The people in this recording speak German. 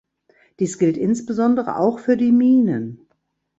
Dies gilt insbesondere auch für die Minen.